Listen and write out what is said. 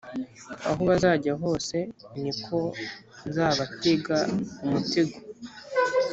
aho bazajya hose, ni ko nzabatega umutego.